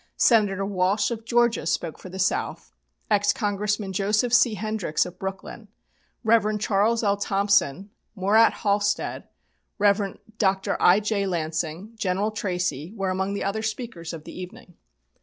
Senator Walsh, of Georgia, spoke for the South; ex Congressman Joseph C. Hendrix of Brooklyn, Rev. Charles L. Thompson, Murat Halstead, Rev. Dr. I.J. Lansing, General Tracey, were among the other speakers of the evening.